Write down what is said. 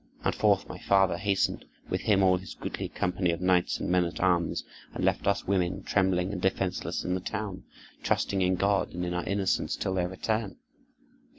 And forth my father hastened, with him all his goodly company of knights and men at arms, and left us women, trembling and defenseless, in the town, trusting in God and in our innocence, till their return.